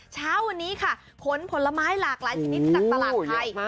เช้าวันนี้ค่ะขนผลไม้หลากหลายชนิดจากตลาดไทย